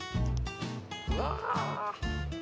うわ！